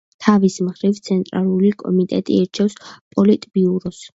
თავის მხრივ ცენტრალური კომიტეტი ირჩევს პოლიტბიუროს.